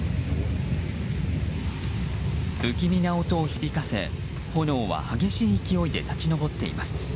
不気味な音を響かせ炎は激しい勢いで立ち上っています。